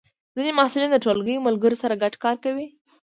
ځینې محصلین د ټولګی ملګرو سره ګډ کار کوي.